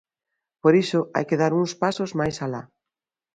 Por iso hai que dar uns pasos máis alá.